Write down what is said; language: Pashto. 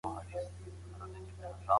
کوشاني دور زرین پړاو و.